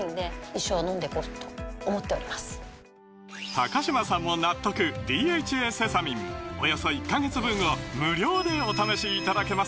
高嶋さんも納得「ＤＨＡセサミン」およそ１カ月分を無料でお試しいただけます